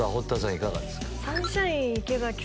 いかがですか？